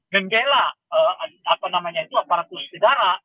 membela apa namanya itu aparat pembedara